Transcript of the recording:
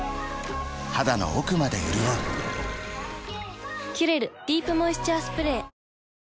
肌の奥まで潤う「キュレルディープモイスチャースプレー」